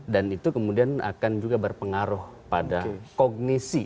dan itu kemudian akan juga berpengaruh pada kognisi